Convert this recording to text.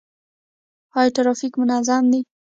آیا ټرافیک منظم دی؟